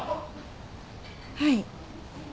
はい。